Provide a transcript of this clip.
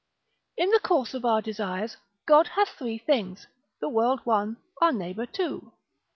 In the course of our desires, God hath three things, the world one, our neighbour two.